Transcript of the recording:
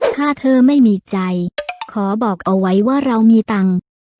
ถ้าเธอไม่มีใจขอบอกเอาไว้ว่าเรามีตังค์